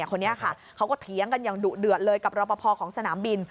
คนนี้ค่ะเขาก็เถียงกันอย่างดุเดือดเลยกับรอปภของสนามบิน